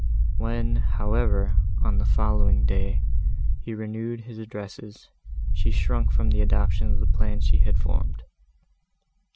When, however, on the following day, he renewed his addresses, she shrunk from the adoption of the plan she had formed.